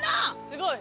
すごい。